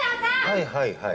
はいはいはい。